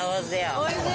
おいしい！